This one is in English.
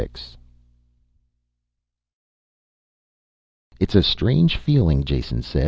XXVI. "It's a strange feeling," Jason said.